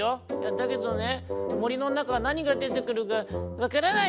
「だけどねもりのなかはなにがでてくるかわからないよ⁉」。